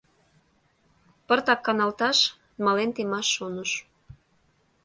Пыртак каналташ, мален темаш шоныш...